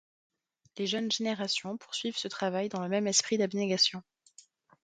Les jeunes générations poursuivent ce travail dans le même esprit d’abnégation.